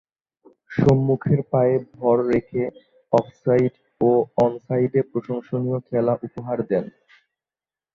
সম্মুখের পায়ে ভর রেখে অফ সাইড ও অন সাইডে প্রশংসনীয় খেলা উপহার দেন।